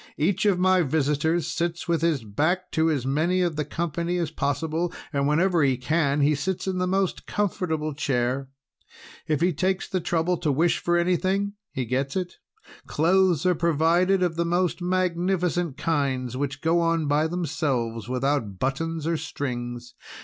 Each of my visitors sits with his back to as many of the company as possible, and whenever he can, he sits in the most comfortable chair. If he takes the trouble to wish for anything, he gets it. Clothes are provided of the most magnificent kinds, which go on by themselves without buttons or strings.